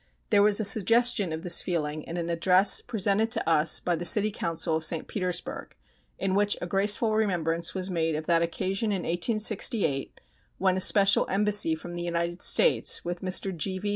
There was a suggestion of this feeling in an address presented to us by the City Council of St. Petersburg, in which a graceful remembrance was made of that occasion in 1868, when a special embassy from the United States, with Mr. G.V.